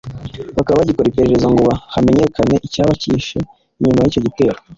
bakaba bagikora iperereza ngo hamenyekanye icyaba cyihishe inyuma y’icyo gitero